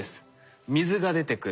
水が出てくる。